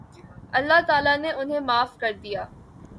اللہ تعالیٰ نے انھیں معاف کر دیا